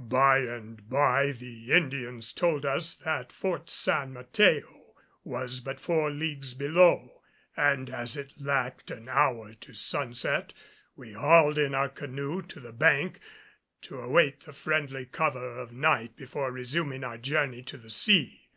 By and by the Indians told us that Fort San Mateo was but four leagues below; and, as it lacked an hour to sunset, we hauled in our canoe to the bank to await the friendly cover of night before resuming our journey to the sea.